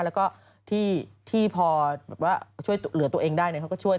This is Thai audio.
แล้วก็ที่พอช่วยเหลือตัวเองได้เขาก็ช่วย